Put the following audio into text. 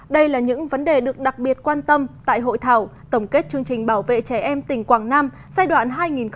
đây là những vấn đề được đặc biệt quan tâm tại hội thảo tổng kết chương trình bảo vệ trẻ em tỉnh quảng nam giai đoạn hai nghìn một mươi sáu hai nghìn hai mươi